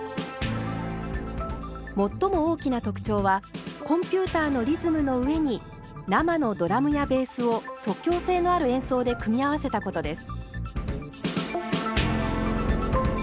最も大きな特徴はコンピューターのリズムの上に生のドラムやベースを即興性のある演奏で組み合わせたことです。